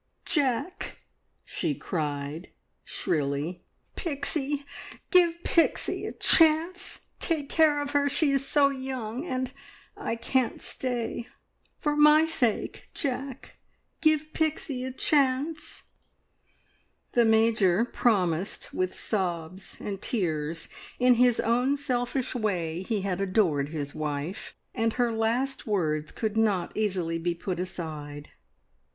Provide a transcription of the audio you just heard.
"Jack!" she cried shrilly "Pixie! Give Pixie a chance! Take care of her she is so young and I can't stay. For my sake, Jack, give Pixie a chance!" The Major promised with sobs and tears. In his own selfish way he had adored his wife, and her last words could not easily be put aside.